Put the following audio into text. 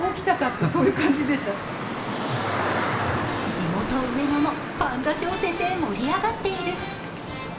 地元・上野もパンダ商戦で盛り上がっている。